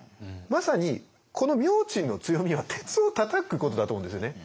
まさにこの明珍の強みは鉄をたたくことだと思うんですよね。